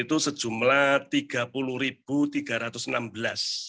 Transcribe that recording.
bahwa umroh yang terbaik untuk pemerintah di jawa timur adalah keadaan yang lebih baik untuk pemerintah